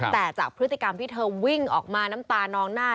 แต่จากพฤติกรรมที่เธอวิ่งออกมาน้ำตานองหน้า